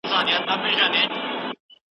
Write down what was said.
د افغانانو یووالی د ګډو موخو څرګندونه کوي.